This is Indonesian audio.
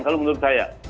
kalau menurut saya